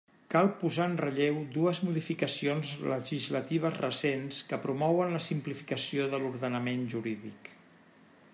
Cal posar en relleu dues modificacions legislatives recents que promouen la simplificació de l'ordenament jurídic.